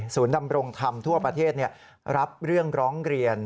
ดำรงธรรมทั่วประเทศรับเรื่องร้องเรียน